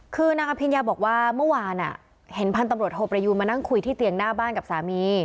คือนางอภิญญาบอกว่าเมื่อวานเห็นพันธุ์ตำรวจโทประยูนมานั่งคุยที่เตียงหน้าบ้านกับสามี